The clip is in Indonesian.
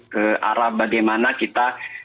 ke arah bagaimana kita